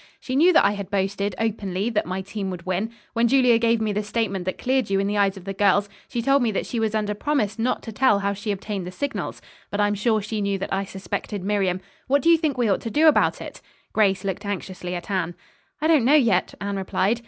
She knew that I had boasted, openly, that my team would win. When Julia gave me the statement that cleared you in the eyes of the girls, she told me that she was under promise not to tell how she obtained the signals. But I'm sure she knew that I suspected Miriam. What do you think we ought to do about it?" Grace looked anxiously at Anne. "I don't know, yet," Anne replied.